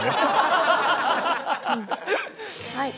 はい。